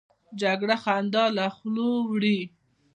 جګړه خندا له خولو وړي